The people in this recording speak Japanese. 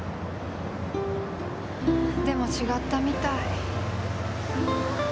でも違ったみたい。